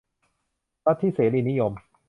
ลัทธิเสรีนิยม